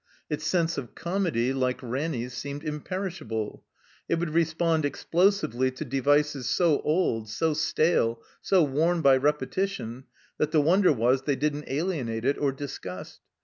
Its sense of comedy, like Ranny's, seemed imperish able. It would respond explosively to devices so old, so stale, so worn by repetition, that the wonder was they didn't alienate it, or disgust.